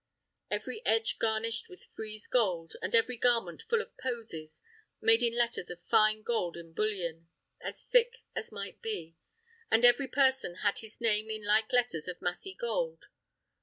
Every edge garnished with friezed gold, and every garment full of posies, made in letters of fine gold in bullion, as thick as might be; and every person had his name in like letters of massy gold.